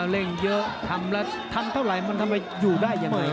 เล่นเยอะทำแล้วทันเท่าไหร่มันทำให้อยู่ได้อย่างไร